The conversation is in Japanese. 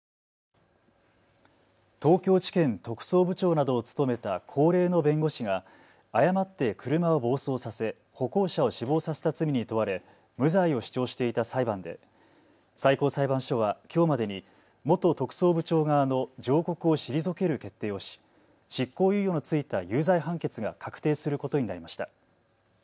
東京地検特捜部長などを務めた高齢の弁護士が誤って車を暴走させ歩行者を死亡させた罪に問われ無罪を主張していた裁判で最高裁判所はきょうまでに元特捜部長側の上告を退ける決定をし執行猶予の付いた有罪判決が確定することになりました。